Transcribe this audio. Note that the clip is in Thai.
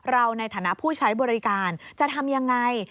เราในฐานะผู้ใช้บริการจะทำอย่างไร